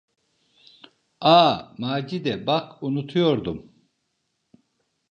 A, Macide, bak unutuyordum.